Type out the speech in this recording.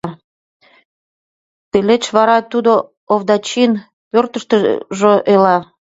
Тылеч вара тудо Овдачин пӧртыштыжӧ ила.